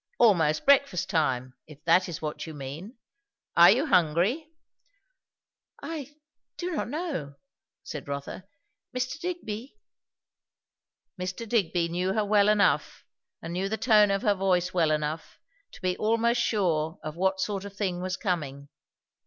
"Almost breakfast time, if that is what you mean. Are you hungry?" "I do not know," said Rotha. "Mr. Digby " Mr. Digby knew her well enough and knew the tone of her voice well enough, to be almost sure of what sort of thing was coming.